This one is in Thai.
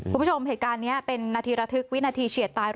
คุณผู้ชมเหตุการณ์นี้เป็นนาทีระทึกวินาทีเฉียดตาย